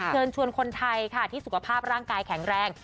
เชิญชวนคนไทยค่ะที่สุขภาพร่างกายแข็งแรง